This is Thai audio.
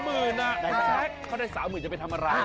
๓๐๐๐๐บาทไหนแซ๊กเขาได้๓๐๐๐๐บาทจะไปทำอะไร